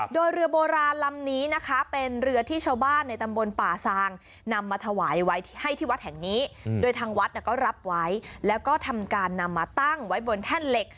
โดยเรือโบราณลำนี้นะคะเป็นเรือที่ชาวบ้านในตำบลป่าซางนำมาถวายไว้ให้ที่วัดแห่งนี้โดยทางวัดก็รับไว้แล้วก็ทำการนำมาตั้งไว้บนแท่นเหล็ก